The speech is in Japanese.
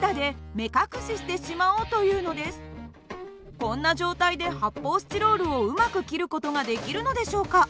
こんな状態で発泡スチロールをうまく切る事ができるのでしょうか？